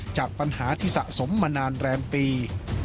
จากปัญหาที่สะสมมานานแรมปี